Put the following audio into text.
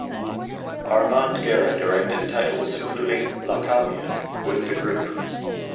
Armand Guerra directed titles including "La Commune" with the group.